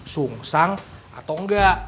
sungsang atau engga